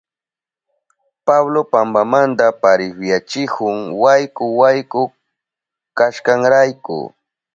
Pablo pampanta parihuyachihun wayku wayku kashkanrayku.